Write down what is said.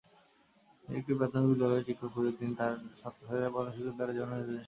তিনি একটি প্রাথমিক স্কুলের শিক্ষক যিনি খুঁজে পান তার ছাত্র-ছাত্রীরা প্রধান শিক্ষকের দ্বারা যৌন নির্যাতনের শিকার।